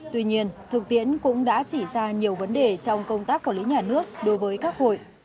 tuy nhiên thực tiễn cũng đã chỉ ra nhiều vấn đề trong công tác quản lý nhà nước đối với các hội